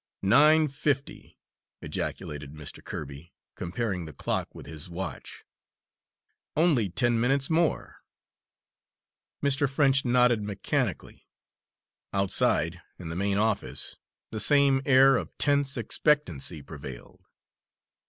"Nine fifty!" ejaculated Mr. Kirby, comparing the clock with his watch. "Only ten minutes more." Mr. French nodded mechanically. Outside, in the main office, the same air of tense expectancy prevailed.